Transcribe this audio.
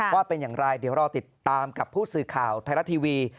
ว่าเป็นอย่างไรเดี๋ยวรอติดตามกับผู้สื่อข่าวไทยรัฐทีวี